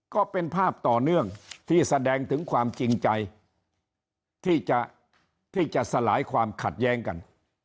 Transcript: ก็เป็นภาพต่อเนื่องที่แสดงถึงความจริงใจที่จะสลายความขัดแย้งกัน